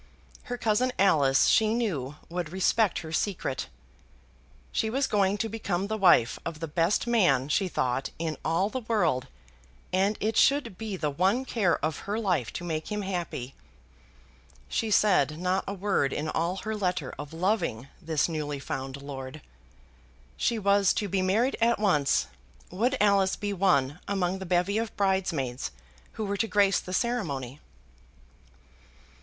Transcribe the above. Her cousin Alice, she knew, would respect her secret. She was going to become the wife of the best man, she thought, in all the world; and it should be the one care of her life to make him happy." She said not a word in all her letter of loving this newly found lord. "She was to be married at once. Would Alice be one among the bevy of bridesmaids who were to grace the ceremony?"